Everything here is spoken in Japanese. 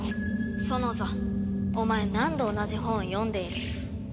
ソノザお前何度同じ本を読んでいる？